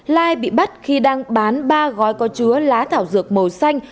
lai bị bắt khi đang bán ba gói có chứa lá thảo dược màu xanh